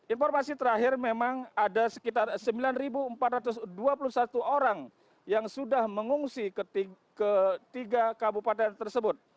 informasi terakhir memang ada sekitar sembilan empat ratus dua puluh satu orang yang sudah mengungsi ke tiga kabupaten tersebut